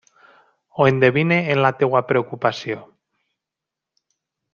Ho endevine en la teua preocupació.